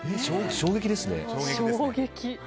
衝撃ですね。